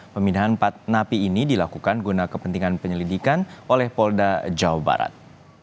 pemindahan empat napi ini dilakukan guna kepentingan penyelidikan oleh polda jawa barat